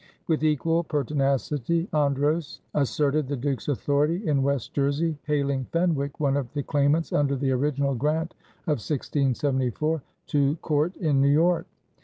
With equal pertinacity Andros asserted the Duke's authority in West Jersey, haling Fenwick, one of the claimants under the original grant of 1674, to court in New York.